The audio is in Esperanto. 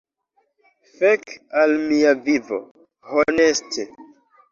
Fek al mia vivo, honeste!